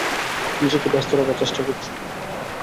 নিজেকে ব্যস্ত রাখার চেষ্টা করছি।